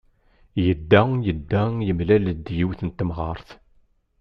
Yedda, yedda, yemlal-d yiwet n temɣart.